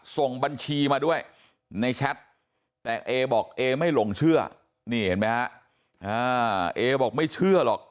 ส่งบัญชีมาด้วยในแชทแต่เอบอกเอไม่หลงเชื่อนี่เห็นไหมฮะเอบอกไม่เชื่อหรอก